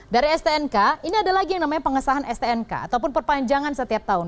dari stnk ini ada lagi yang namanya pengesahan stnk ataupun perpanjangan setiap tahun